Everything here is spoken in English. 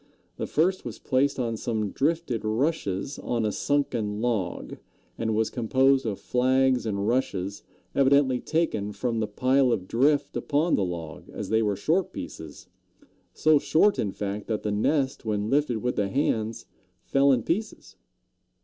The first was placed on some drifted rushes on a sunken log, and was composed of flags and rushes evidently taken from the pile of drift upon the log, as they were short pieces, so short, in fact, that the nest when lifted with the hands fell in pieces.